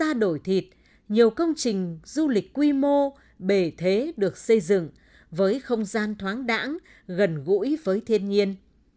sau đổi thịt nhiều công trình du lịch quy mô bể thế được xây dựng với không gian thoáng đẳng gần gũi với thiên nhiên